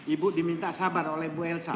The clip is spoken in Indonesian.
ibu diminta sabar oleh bu elsa